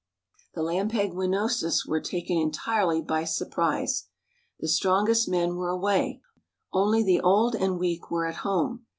The Lampegwinosis were taken entirely by surprise; the strongest men were away, only the old and weak were at home.